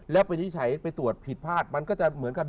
แล้ววินิจฉัยไปตรวจผิดพลาดมันก็จะเหมือนกับ